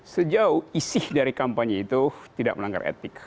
sejauh isi dari kampanye itu tidak melanggar etik